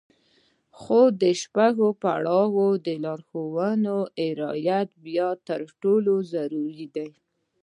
خو د شپږم پړاو د لارښوونو رعايت بيا تر ټولو ضروري دی.